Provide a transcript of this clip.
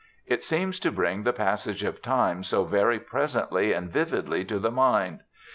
It seems to bring the passage of time so very presently and vividly to the mind.